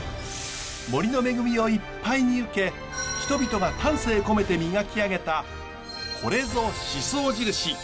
森の恵みをいっぱいに受け人々が丹精込めて磨き上げた